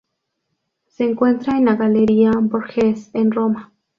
Se encuentra en la Galería Borghese en Roma.